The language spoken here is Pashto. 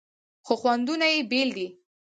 خو خوندونه یې بیل دي.